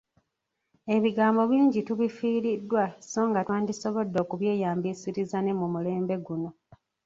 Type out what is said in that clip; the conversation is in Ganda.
Ebigambo bingi tubifiiriddwa so nga twandisobodde okubyeyambisiriza ne mulembe guno,